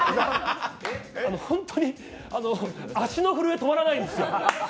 本当に足の震え止まらないんですよ。